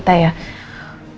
aku nanya sama dia